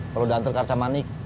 perlu dantel karca manik